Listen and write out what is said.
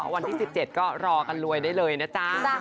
วันที่๑๗ก็รอกันรวยได้เลยนะจ๊ะ